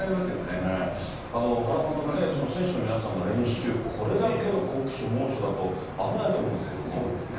原監督ね、選手の皆さんの練習、これだけの酷暑、猛暑だと、危ないと思うんそうですね。